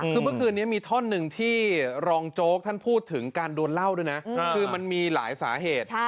คือเมื่อคืนนี้มีท่อนหนึ่งที่รองโจ๊กท่านพูดถึงการโดนเล่าด้วยนะคือมันมีหลายสาเหตุ